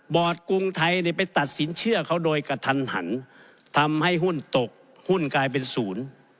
กรุงไทยเนี่ยไปตัดสินเชื่อเขาโดยกระทันหันทำให้หุ้นตกหุ้นกลายเป็นศูนย์